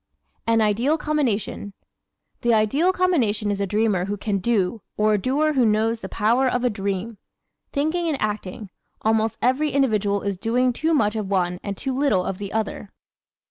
An Ideal Combination ¶ The ideal combination is a dreamer who can DO or a doer who knows the power of a DREAM. Thinking and acting almost every individual is doing too much of one and too little of the other!